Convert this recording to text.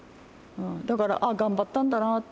だから、あっ、頑張ったんだなって。